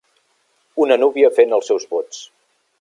Una núvia fent els seus vots.